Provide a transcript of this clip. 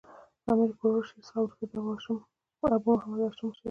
د امیر کروړ شعر څخه ورسته د ابو محمد هاشم شعر دﺉ.